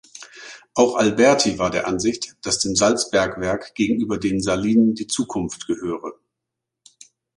Auch Alberti war der Ansicht, dass dem Salzbergwerk gegenüber den Salinen die Zukunft gehöre.